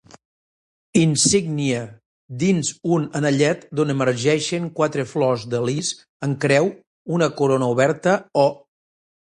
Insígnia: dins un anellet d'on emergeixen quatre flors de lis en creu una corona oberta o.